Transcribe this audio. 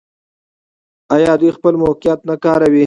آیا دوی خپل موقعیت نه کاروي؟